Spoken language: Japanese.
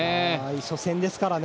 初戦ですからね。